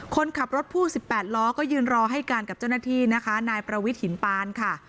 คนขับรถพ่วง๑๘ล้อก็ยืนรอให้การกับเจ้าหน้าที่นะคะนายประวิทย์หินปานค่ะ